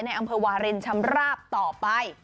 อำเภอวารินชำราบต่อไป